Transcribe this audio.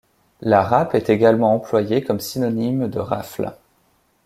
La râpe est également employée comme synonyme de rafle.